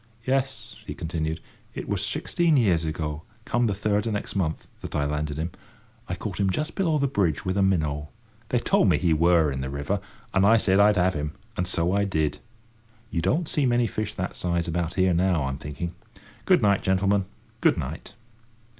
"Yes," he continued, "it wur sixteen year ago, come the third o' next month, that I landed him. I caught him just below the bridge with a minnow. They told me he wur in the river, and I said I'd have him, and so I did. You don't see many fish that size about here now, I'm thinking. Good night, gentlemen, good night."